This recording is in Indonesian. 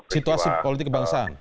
situasi politik kebangsaan